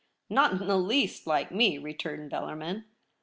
* Not in the least like me,' returned Bellar min.